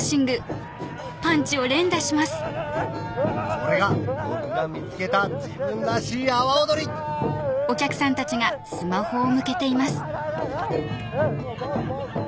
これが僕が見つけた自分らしい阿波おどりうう！